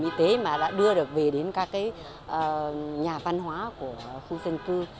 khi mà bảo hiểm y tế mà đã đưa được về đến các cái nhà văn hóa của khu dân cư